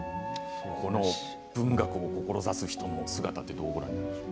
文学を志す人の姿どうご覧になりますか。